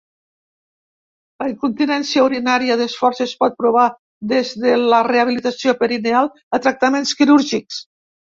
La incontinència urinària d'esforç, es pot provar des de la rehabilitació perineal a tractaments quirúrgics.